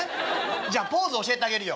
じゃポーズ教えてあげるよ。